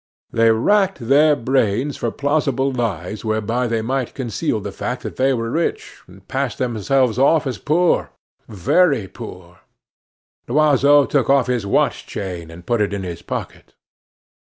They racked their brains for plausible lies whereby they might conceal the fact that they were rich, and pass themselves off as poor very poor. Loiseau took off his watch chain, and put it in his pocket.